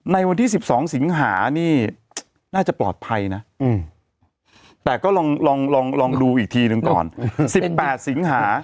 ในวันที่๑๒สิงหานี่น่าจะปลอดภัยนะแต่ก็ลองดูอีกทีหนึ่งก่อน๑๘สิงหา